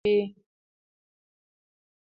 ملي یووالي ته کار کول لومړیتوب وي.